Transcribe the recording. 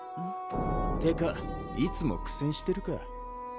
・ってかいつも苦戦してるか